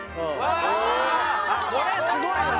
これすごいわ。